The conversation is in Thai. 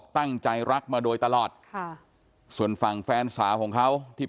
ต้องแล้วแต่พ่อกับแม่ครับพี่